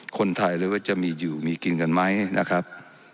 คนไทยเลยว่าจะมีอยู่มีกินกันไหมนะครับ